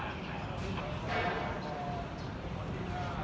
อันที่สุดท้ายก็คือภาษาอันที่สุดท้าย